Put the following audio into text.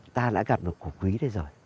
ta đã gặp một cổ quý đây rồi